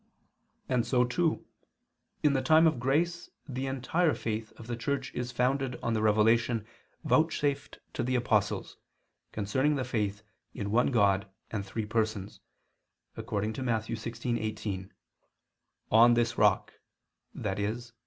And so, too, in the time of grace the entire faith of the Church is founded on the revelation vouchsafed to the apostles, concerning the faith in one God and three Persons, according to Matt. 16:18, "On this rock," i.e.